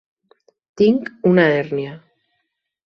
Tinc una hèrnia.